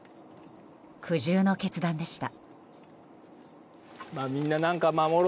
苦渋の決断でした。